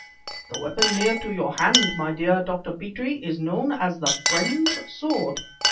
The weapon near to your hand, my dear Dr. Petrie, is known as the Friend's Sword.